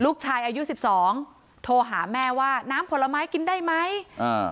ลูกชายอายุสิบสองโทรหาแม่ว่าน้ำผลไม้กินได้ไหมอ่า